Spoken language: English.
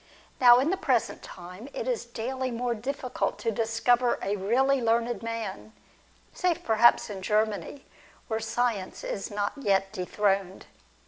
Now, in the present time, it is daily more difficult to discover a really learned man, save perhaps in Germany, where science is not yet dethroned.